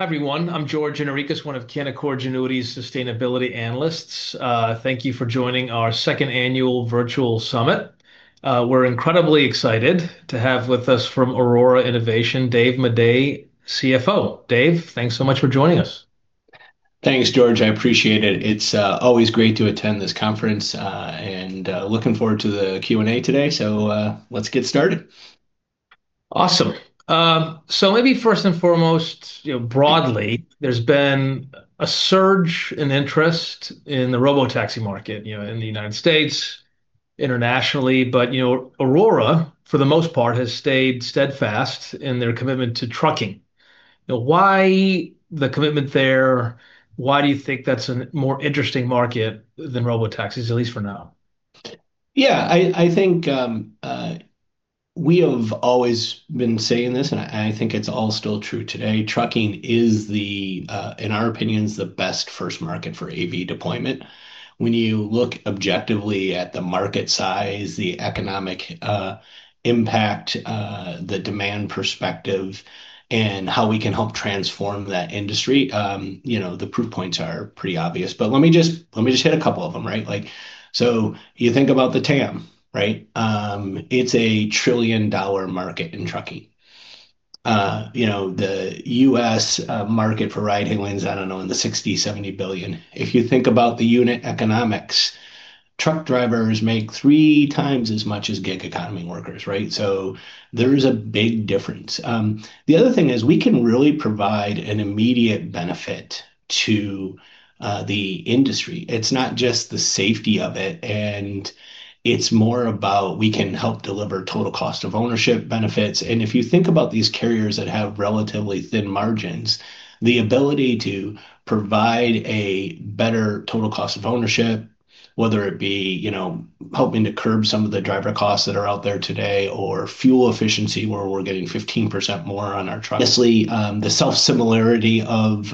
Everyone, I'm George Gianarikas, one of Canaccord Genuity's sustainability analysts. Thank you for joining our second annual virtual summit. We're incredibly excited to have with us from Aurora Innovation Dave Maday, CFO. Dave, thanks so much for joining us. Thanks, George, I appreciate it. It's always great to attend this conference, and looking forward to the Q&A today. Let's get started. Awesome. So maybe first and foremost, you know, broadly, there's been a surge in interest in the robotaxi market, you know, in the United States, internationally. You know, Aurora, for the most part, has stayed steadfast in their commitment to trucking. Now, why the commitment there? Why do you think that's a more interesting market than robotaxis, at least for now? Yeah. I think we have always been saying this, and I think it's all still true today, trucking is, in our opinions, the best first market for AV deployment. When you look objectively at the market size, the economic impact, the demand perspective, and how we can help transform that industry, you know, the proof points are pretty obvious. Let me just hit a couple of them, right? Like, so you think about the TAM, right? It's a $1 trillion market in trucking. You know, the U.S. market for ride-hailing's, I don't know, in the $60 billion-$70 billion. If you think about the unit economics, truck drivers make three times as much as gig economy workers, right? There is a big difference. The other thing is we can really provide an immediate benefit to the industry. It's not just the safety of it and it's more about we can help deliver total cost of ownership benefits. If you think about these carriers that have relatively thin margins, the ability to provide a better total cost of ownership, whether it be, you know, helping to curb some of the driver costs that are out there today, or fuel efficiency where we're getting 15% more on our trucks. Obviously, the similarity of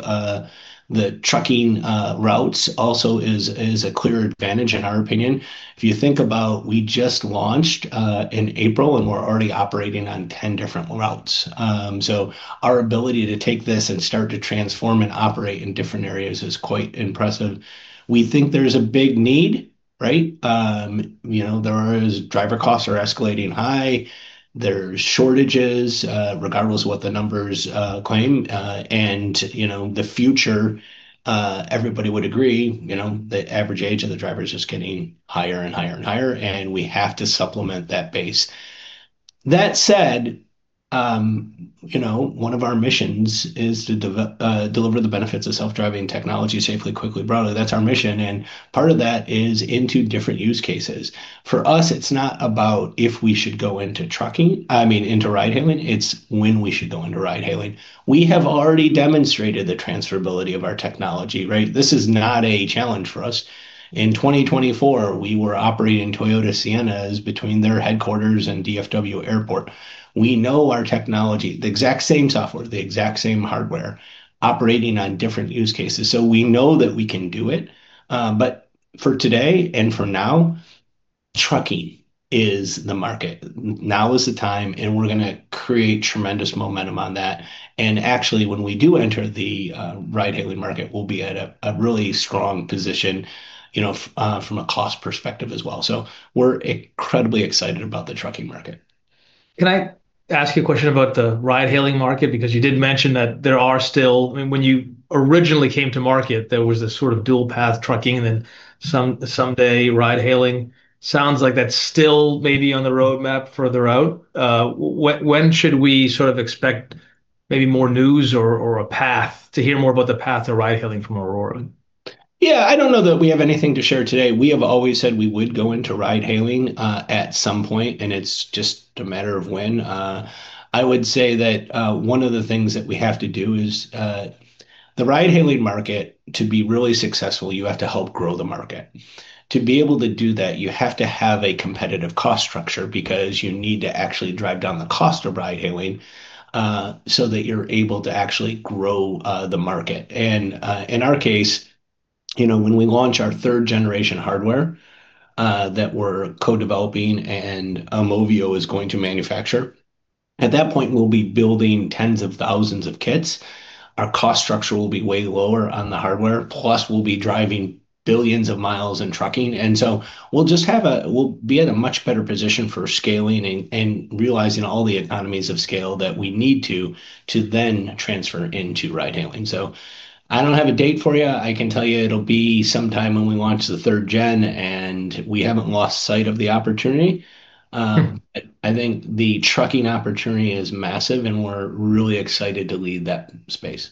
the trucking routes also is a clear advantage in our opinion. If you think about we just launched in April, and we're already operating on 10 different routes. Our ability to take this and start to transform and operate in different areas is quite impressive. We think there's a big need, right? You know, there's driver costs are escalating high. There are shortages, regardless of what the numbers claim. You know, the future, everybody would agree, you know, the average age of the driver is just getting higher, and we have to supplement that base. That said, you know, one of our missions is to deliver the benefits of self-driving technology safely, quickly, broadly. That's our mission, and part of that is into different use cases. For us, it's not about if we should go into trucking, I mean, into ride hailing, it's when we should go into ride hailing. We have already demonstrated the transferability of our technology, right? This is not a challenge for us. In 2024, we were operating Toyota Siennas between their headquarters and DFW Airport. We know our technology, the exact same software, the exact same hardware operating on different use cases, so we know that we can do it. For today and for now, trucking is the market. Now is the time, and we're gonna create tremendous momentum on that. Actually, when we do enter the ride-hailing market, we'll be at a really strong position, you know, from a cost perspective as well. We're incredibly excited about the trucking market. Can I ask you a question about the ride-hailing market? Because you did mention that there are still I mean, when you originally came to market, there was this sort of dual path, trucking and then someday ride hailing. Sounds like that's still maybe on the roadmap further out. When should we sort of expect maybe more news or a path to hear more about the path to ride hailing from Aurora? Yeah. I don't know that we have anything to share today. We have always said we would go into ride-hailing at some point, and it's just a matter of when. I would say that one of the things that we have to do is the ride-hailing market, to be really successful, you have to help grow the market. To be able to do that, you have to have a competitive cost structure because you need to actually drive down the cost of ride-hailing so that you're able to actually grow the market. In our case, you know, when we launch our third-generation hardware that we're co-developing and Continental is going to manufacture, at that point we'll be building tens of thousands of kits. Our cost structure will be way lower on the hardware, plus we'll be driving billions of miles in trucking. We'll be in a much better position for scaling and realizing all the economies of scale that we need to then transfer into ride hailing. I don't have a date for you. I can tell you it'll be sometime when we launch the third gen, and we haven't lost sight of the opportunity. Mm-hmm I think the trucking opportunity is massive, and we're really excited to lead that space.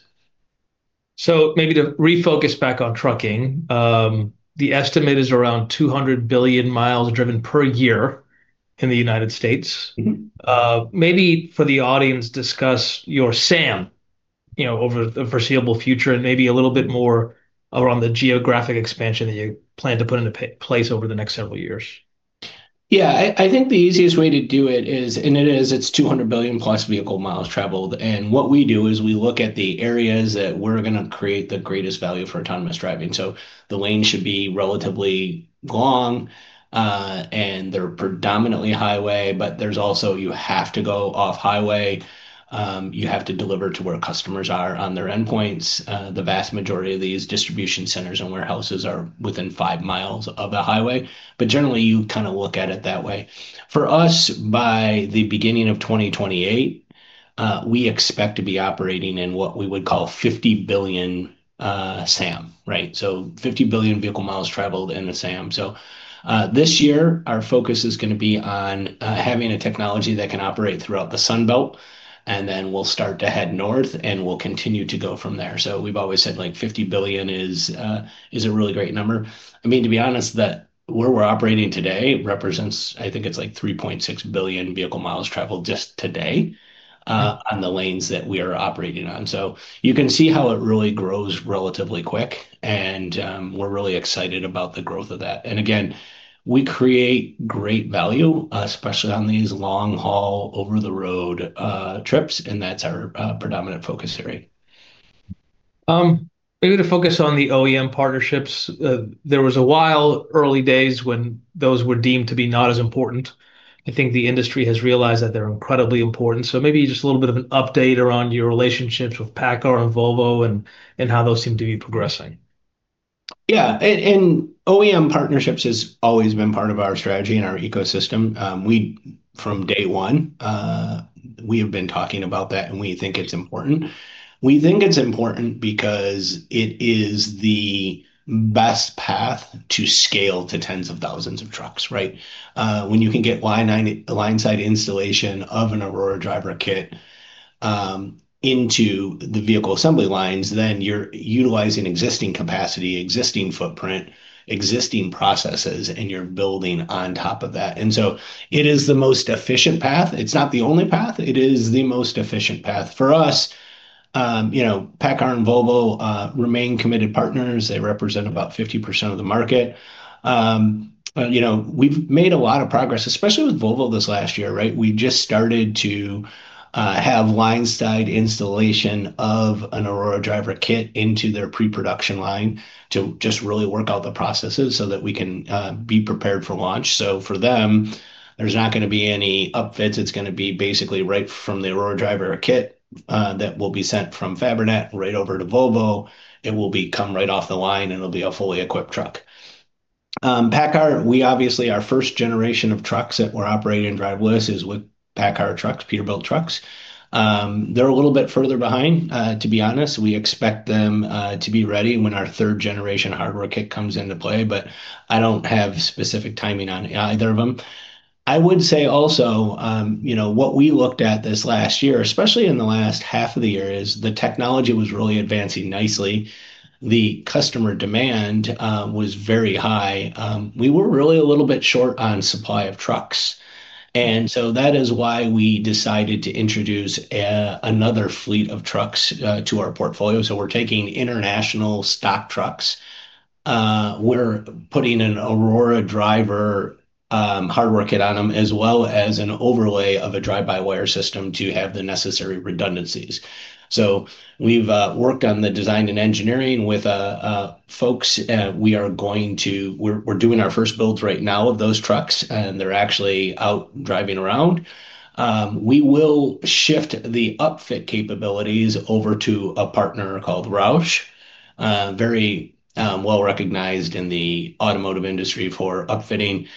Maybe to refocus back on trucking, the estimate is around 200 billion miles driven per year in the United States. Mm-hmm. Maybe for the audience, discuss your SAM, you know, over the foreseeable future, and maybe a little bit more around the geographic expansion that you plan to put into place over the next several years? Yeah. I think the easiest way to do it is, it's 200 billion-plus vehicle miles traveled, and what we do is we look at the areas that we're gonna create the greatest value for autonomous driving. The lane should be relatively long, and they're predominantly highway, but there's also you have to go off highway. You have to deliver to where customers are on their endpoints. The vast majority of these distribution centers and warehouses are within five miles of a highway. Generally, you kinda look at it that way. For us, by the beginning of 2028, we expect to be operating in what we would call 50 billion SAM, right? Fifty billion vehicle miles traveled in the SAM. This year our focus is gonna be on having a technology that can operate throughout the Sun Belt, and then we'll start to head north, and we'll continue to go from there. We've always said, like, 50 billion is a really great number. I mean, to be honest, that where we're operating today represents, I think it's like 3.6 billion vehicle miles traveled just today on the lanes that we are operating on. You can see how it really grows relatively quick, and we're really excited about the growth of that. Again, we create great value, especially on these long-haul, over-the-road trips, and that's our predominant focus area. Maybe to focus on the OEM partnerships. There was a while, early days, when those were deemed to be not as important. I think the industry has realized that they're incredibly important. Maybe just a little bit of an update around your relationships with PACCAR and Volvo and how those seem to be progressing? Yeah. OEM partnerships has always been part of our strategy and our ecosystem. From day one, we have been talking about that, and we think it's important. We think it's important because it is the best path to scale to tens of thousands of trucks, right? When you can get lineside installation of an Aurora Driver kit into the vehicle assembly lines, then you're utilizing existing capacity, existing footprint, existing processes, and you're building on top of that. It is the most efficient path. It's not the only path. It is the most efficient path. For us, you know, PACCAR and Volvo remain committed partners. They represent about 50% of the market. You know, we've made a lot of progress, especially with Volvo this last year, right? We just started to have lineside installation of an Aurora Driver kit into their pre-production line to just really work out the processes so that we can be prepared for launch. For them, there's not gonna be any upfits. It's gonna be basically right from the Aurora Driver kit that will be sent from Fabrinet right over to Volvo. It will come right off the line, and it'll be a fully equipped truck. PACCAR, obviously, our first generation of trucks that we're operating driverless is with PACCAR trucks, Peterbilt trucks. They're a little bit further behind, to be honest. We expect them to be ready when our third-generation hardware kit comes into play, but I don't have specific timing on either of them. I would say also, you know, what we looked at this last year, especially in the last half of the year, is the technology was really advancing nicely. The customer demand was very high. We were really a little bit short on supply of trucks, and so that is why we decided to introduce another fleet of trucks to our portfolio. We're taking International stock trucks. We're putting an Aurora Driver hardware kit on them, as well as an overlay of a drive-by-wire system to have the necessary redundancies. We've worked on the design and engineering with folks. We're doing our first builds right now of those trucks, and they're actually out driving around. We will shift the upfit capabilities over to a partner called Roush, very well-recognized in the automotive industry for upfitting.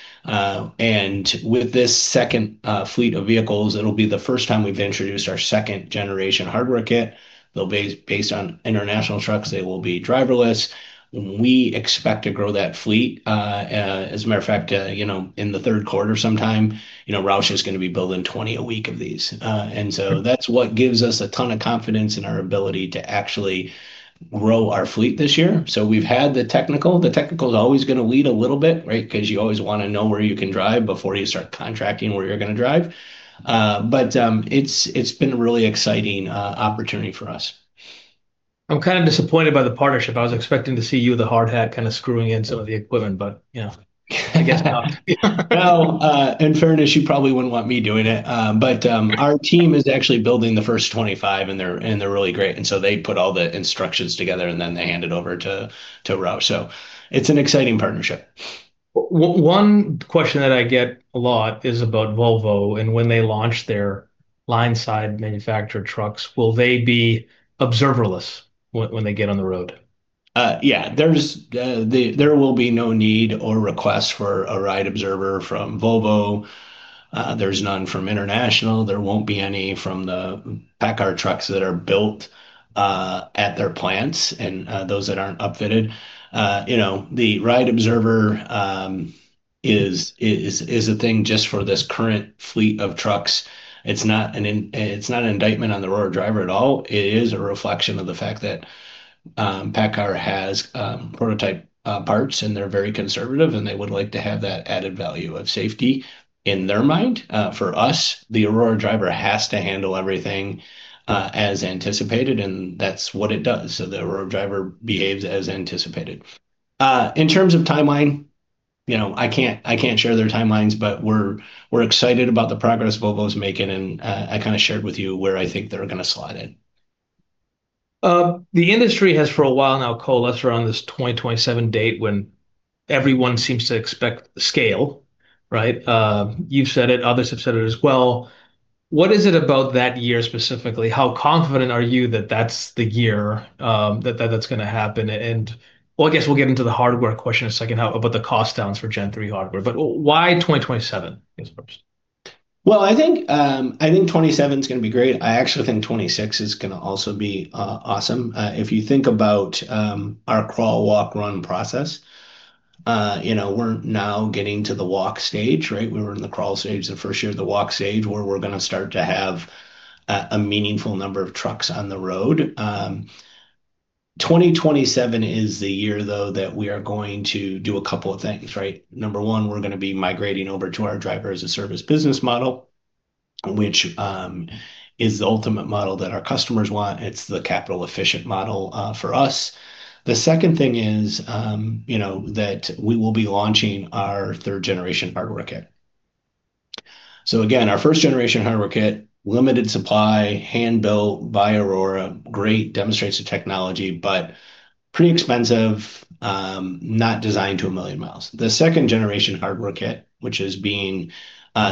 With this second fleet of vehicles, it'll be the first time we've introduced our second-generation hardware kit. They'll be based on International trucks. They will be driverless. We expect to grow that fleet, as a matter of fact, you know, in the third quarter sometime. You know, Roush is gonna be building 20 a week of these. That's what gives us a ton of confidence in our ability to actually grow our fleet this year. We've had the technical. The technical's always gonna lead a little bit, right? Because you always wanna know where you can drive before you start contracting where you're gonna drive. It's been a really exciting opportunity for us. I'm kind of disappointed by the partnership. I was expecting to see you with a hard hat kinda screwing in some of the equipment, but, you know, I guess not. Well, in fairness, you probably wouldn't want me doing it. Our team is actually building the first 25, and they're really great. They put all the instructions together, and then they hand it over to Roush. It's an exciting partnership. One question that I get a lot is about Volvo and when they launch their lineside manufactured trucks. Will they be observerless when they get on the road? There will be no need or request for a ride observer from Volvo. There's none from International. There won't be any from the PACCAR trucks that are built at their plants and those that aren't upfitted. You know, the ride observer is a thing just for this current fleet of trucks. It's not an indictment on the Aurora Driver at all. It is a reflection of the fact that PACCAR has prototype parts, and they're very conservative, and they would like to have that added value of safety in their mind. For us, the Aurora Driver has to handle everything as anticipated, and that's what it does. The Aurora Driver behaves as anticipated. In terms of timeline, you know, I can't share their timelines, but we're excited about the progress Volvo's making. I kinda shared with you where I think they're gonna slot in. The industry has for a while now coalesced around this 2027 date when everyone seems to expect scale, right? You've said it, others have said it as well. What is it about that year specifically? How confident are you that that's the year that's gonna happen? Well, I guess we'll get into the hardware question in a second, how about the cost downs for gen three hardware, but why 2027 I guess first? Well, I think '27 is gonna be great. I actually think '26 is gonna also be awesome. If you think about our crawl, walk, run process, you know, we're now getting to the walk stage, right? We were in the crawl stage the first year, the walk stage where we're gonna start to have a meaningful number of trucks on the road. 2027 is the year though that we are going to do a couple of things, right? Number one, we're gonna be migrating over to our driver-as-a-service business model, which is the ultimate model that our customers want. It's the capital efficient model for us. The second thing is, you know, that we will be launching our third generation hardware kit. Again, our first generation hardware kit, limited supply, hand-built by Aurora, great demonstration of technology, but pretty expensive, not designed to 1 million miles. The second generation hardware kit, which is being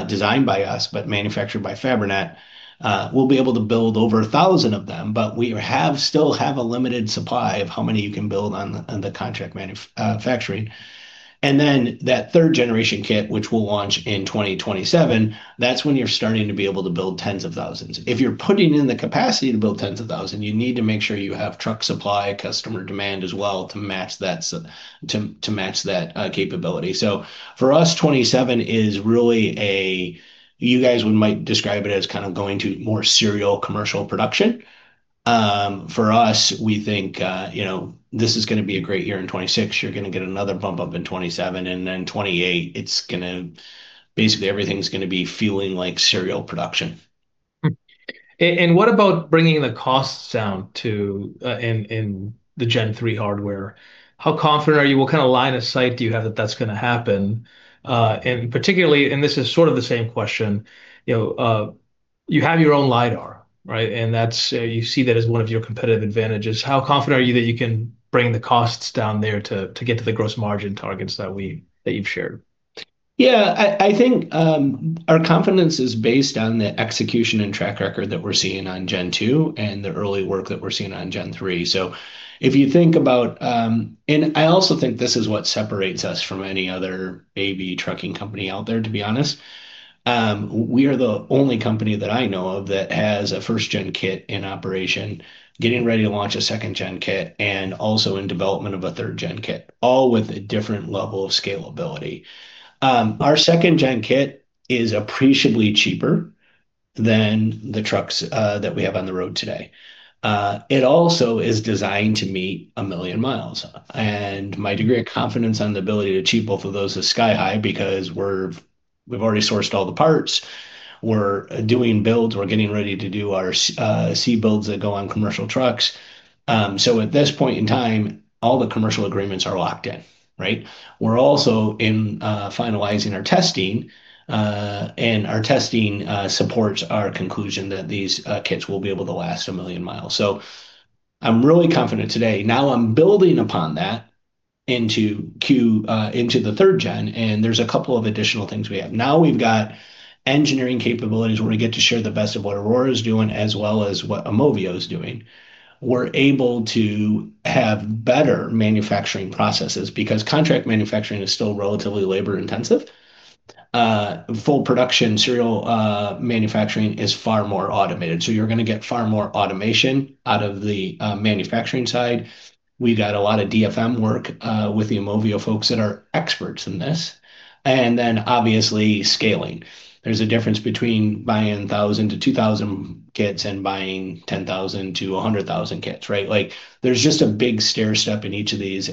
designed by us but manufactured by Fabrinet, we'll be able to build over 1,000 of them, but we still have a limited supply of how many you can build on the contract manufacturing. Then that third generation kit, which we'll launch in 2027, that's when you're starting to be able to build tens of thousands. If you're putting in the capacity to build tens of thousands, you need to make sure you have truck supply, customer demand as well to match that capability. For us, 2027 is really a. You guys might describe it as kind of going to more serial commercial production. For us, we think, you know, this is gonna be a great year in 2026. You're gonna get another bump up in 2027, and then 2028 it's gonna basically everything's gonna be feeling like serial production. What about bringing the costs down to in the Gen 3 hardware? How confident are you? What kind of line of sight do you have that that's gonna happen? And particularly, this is sort of the same question, you know, you have your own LIDAR, right? And that's you see that as one of your competitive advantages. How confident are you that you can bring the costs down there to get to the gross margin targets that you've shared? Yeah. I think our confidence is based on the execution and track record that we're seeing on Gen 2 and the early work that we're seeing on Gen 3. If you think about it. I also think this is what separates us from any other AV trucking company out there, to be honest. We are the only company that I know of that has a first-gen kit in operation, getting ready to launch a second-gen kit, and also in development of a third-gen kit, all with a different level of scalability. Our second-gen kit is appreciably cheaper than the trucks that we have on the road today. It also is designed to meet 1 million miles. My degree of confidence on the ability to achieve both of those is sky high because we've already sourced all the parts. We're doing builds. We're getting ready to do our C builds that go on commercial trucks. At this point in time, all the commercial agreements are locked in, right? We're also in finalizing our testing. Our testing supports our conclusion that these kits will be able to last 1 million miles. I'm really confident today. Now I'm building upon that into the third gen, and there's a couple of additional things we have. Now we've got engineering capabilities where we get to share the best of what Aurora's doing as well as what Imovio is doing. We're able to have better manufacturing processes because contract manufacturing is still relatively labor-intensive. Full production serial manufacturing is far more automated, so you're gonna get far more automation out of the manufacturing side. We got a lot of DFM work with the Fabrinet folks that are experts in this. Obviously scaling. There's a difference between buying 1,000 kits-2,000 kits and buying 10,000 kits-100,000 kits, right? Like, there's just a big stair step in each of these.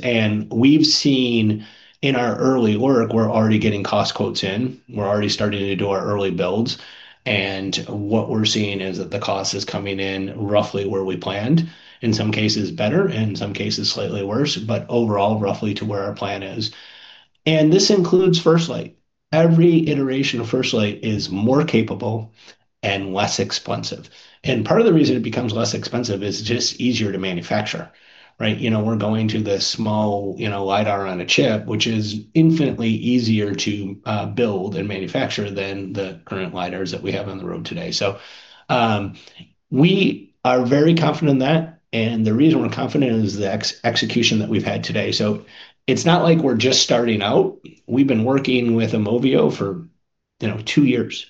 We've seen in our early work, we're already getting cost quotes in. We're already starting to do our early builds, and what we're seeing is that the cost is coming in roughly where we planned. In some cases better, in some cases slightly worse, but overall roughly to where our plan is. This includes FirstLight. Every iteration of FirstLight is more capable and less expensive. Part of the reason it becomes less expensive is it's just easier to manufacture, right? You know, we're going to the small, you know, LIDAR on a chip, which is infinitely easier to build and manufacture than the current LIDARs that we have on the road today. We are very confident in that, and the reason we're confident is the execution that we've had today. It's not like we're just starting out. We've been working with Innoviz for, you know, two years.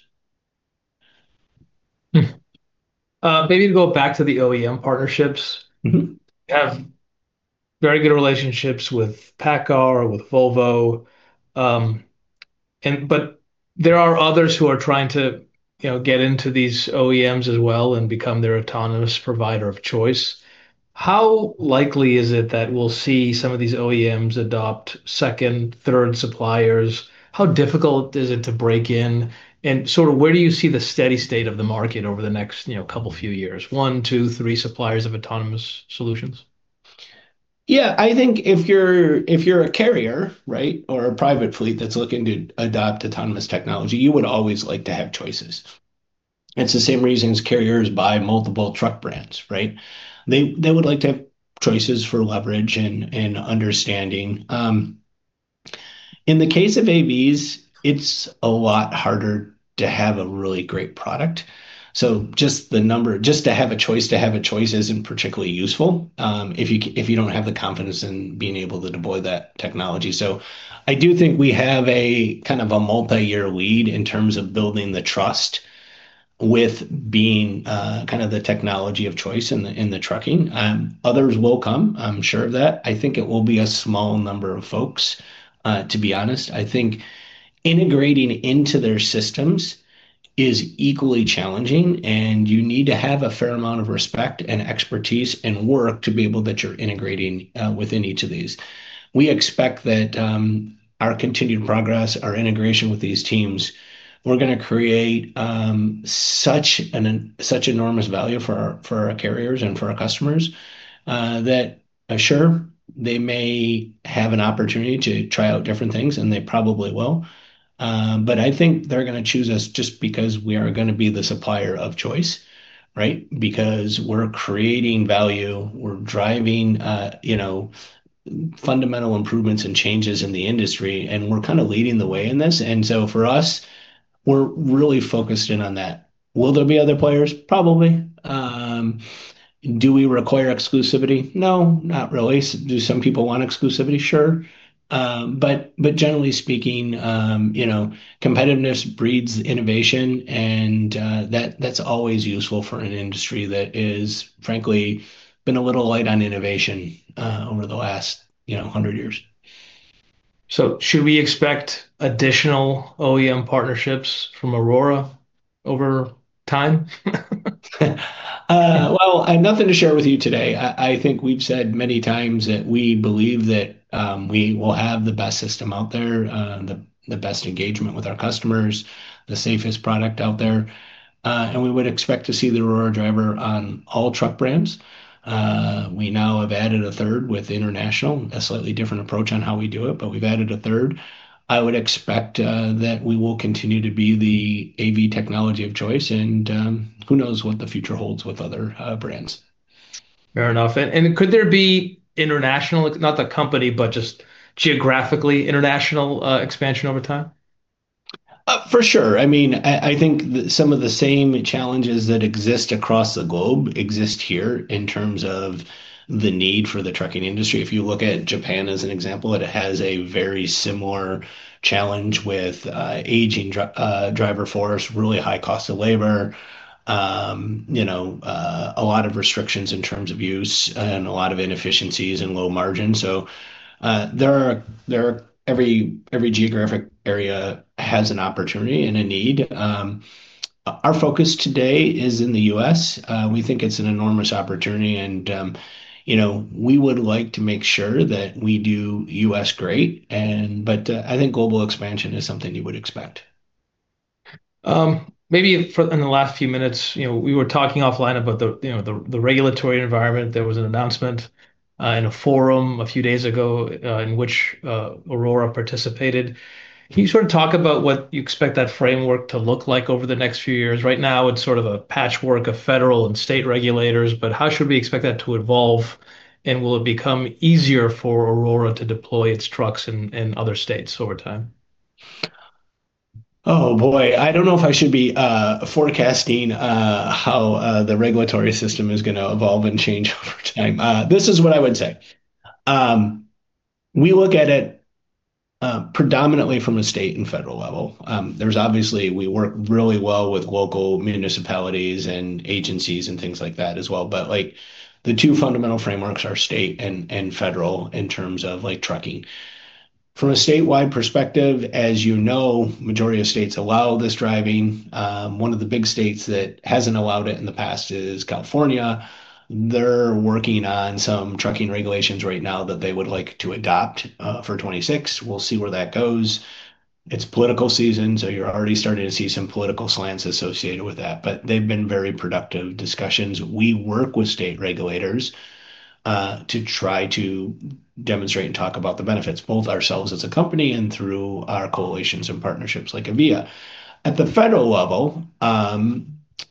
Maybe to go back to the OEM partnerships. Mm-hmm. You have very good relationships with PACCAR, with Volvo, but there are others who are trying to, you know, get into these OEMs as well and become their autonomous provider of choice. How likely is it that we'll see some of these OEMs adopt second, third suppliers? How difficult is it to break in? And sort of where do you see the steady state of the market over the next, you know, couple, few years? one, two, three suppliers of autonomous solutions. Yeah, I think if you're a carrier, right, or a private fleet that's looking to adopt autonomous technology, you would always like to have choices. It's the same reason as carriers buy multiple truck brands, right? They would like to have choices for leverage and understanding. In the case of AVs, it's a lot harder to have a really great product. Just to have a choice isn't particularly useful, if you don't have the confidence in being able to deploy that technology. I do think we have a kind of a multi-year lead in terms of building the trust with being kind of the technology of choice in the trucking. Others will come, I'm sure of that. I think it will be a small number of folks, to be honest. I think integrating into their systems is equally challenging, and you need to have a fair amount of respect and expertise and work to be able that you're integrating, within each of these. We expect that, our continued progress, our integration with these teams, we're gonna create, such enormous value for our carriers and for our customers, that sure, they may have an opportunity to try out different things, and they probably will. But I think they're gonna choose us just because we are gonna be the supplier of choice, right? Because we're creating value, we're driving, you know, fundamental improvements and changes in the industry, and we're kinda leading the way in this. For us, we're really focused in on that. Will there be other players? Probably. Do we require exclusivity? No, not really. Do some people want exclusivity? Sure. But generally speaking, you know, competitiveness breeds innovation, and that's always useful for an industry that is frankly been a little light on innovation over the last, you know, hundred years. Should we expect additional OEM partnerships from Aurora over time? Well, I have nothing to share with you today. I think we've said many times that we believe that we will have the best system out there, the best engagement with our customers, the safest product out there. We would expect to see the Aurora Driver on all truck brands. We now have added a third with International. A slightly different approach on how we do it, but we've added a third. I would expect that we will continue to be the AV technology of choice, and who knows what the future holds with other brands. Fair enough. Could there be International, not the company, but just geographically international expansion over time? For sure. I mean, I think some of the same challenges that exist across the globe exist here in terms of the need for the trucking industry. If you look at Japan as an example, it has a very similar challenge with aging driver force, really high cost of labor, you know, a lot of restrictions in terms of use and a lot of inefficiencies and low margin. There are every geographic area has an opportunity and a need. Our focus today is in the U.S. We think it's an enormous opportunity. We would like to make sure that we do U.S. great. I think global expansion is something you would expect. Maybe for in the last few minutes, you know, we were talking offline about the regulatory environment. There was an announcement in a forum a few days ago in which Aurora participated. Can you sort of talk about what you expect that framework to look like over the next few years? Right now, it's sort of a patchwork of federal and state regulators, but how should we expect that to evolve, and will it become easier for Aurora to deploy its trucks in other states over time? Oh, boy. I don't know if I should be forecasting how the regulatory system is gonna evolve and change over time. This is what I would say. We look at it predominantly from a state and federal level. There's obviously we work really well with local municipalities and agencies and things like that as well. Like, the two fundamental frameworks are state and federal in terms of, like, trucking. From a statewide perspective, as you know, majority of states allow this driving. One of the big states that hasn't allowed it in the past is California. They're working on some trucking regulations right now that they would like to adopt for 2026. We'll see where that goes. It's political season, so you're already starting to see some political slants associated with that, but they've been very productive discussions. We work with state regulators to try to demonstrate and talk about the benefits, both ourselves as a company and through our coalitions and partnerships like AVIA. At the federal level,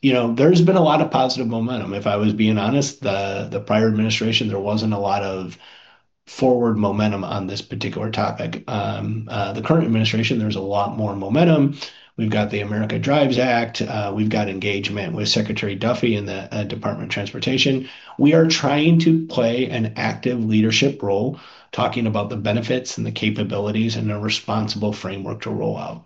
you know, there's been a lot of positive momentum. If I was being honest, the prior administration, there wasn't a lot of forward momentum on this particular topic. The current administration, there's a lot more momentum. We've got the AMERICA DRIVES Act. We've got engagement with Secretary Duffy and the Department of Transportation. We are trying to play an active leadership role, talking about the benefits and the capabilities and a responsible framework to roll out.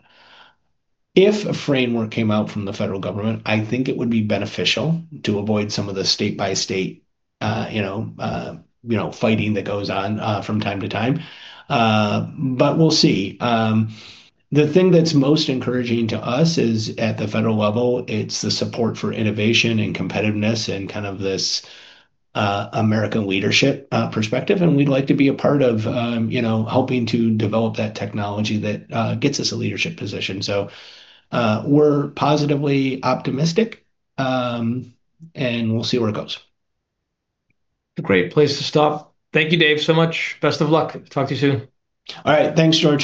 If a framework came out from the federal government, I think it would be beneficial to avoid some of the state-by-state, you know, fighting that goes on from time to time. We'll see. The thing that's most encouraging to us is at the federal level, it's the support for innovation and competitiveness and kind of this American leadership perspective. We'd like to be a part of, you know, helping to develop that technology that gets us a leadership position. We're positively optimistic. We'll see where it goes. Great place to stop. Thank you, Dave, so much. Best of luck. Talk to you soon. All right. Thanks, George.